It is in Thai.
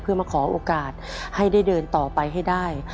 เพื่อมาขอโอกาสให้ได้เดินต่อไปให้ได้